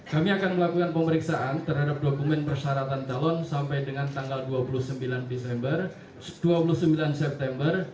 kami akan melakukan pemeriksaan terhadap dokumen persyaratan calon sampai dengan tanggal dua puluh sembilan dua puluh sembilan september